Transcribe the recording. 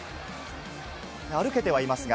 歩けてはいますが。